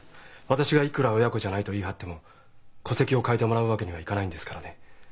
私がいくら「親子じゃない」と言い張っても戸籍を変えてもらうわけにはいかないんですからね。